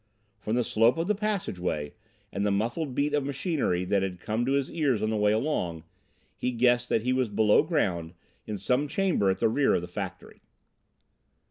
From the slope of the passageway and the muffled beat of machinery that had come to his ears on the way along, he guessed that he was below ground in some chamber at the rear of the factory.